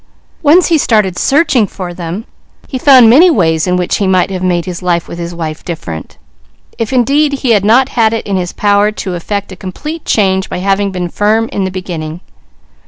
Once he started searching for them, he found many ways in which he might have made his life with his wife different, if indeed he had not had it in his power to effect a complete change by having been firm in the beginning.